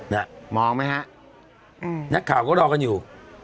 น่ะมองไหมฮะนักข่าวก็รอกันอยู่